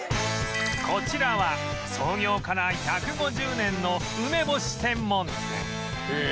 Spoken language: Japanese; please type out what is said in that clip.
こちらは創業から１５０年の梅干し専門店